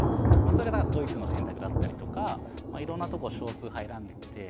それがドイツの選択だったりとかいろんなとこ少数派を選んでって。